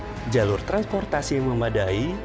pelabuhan modern jalur transportasi yang memadai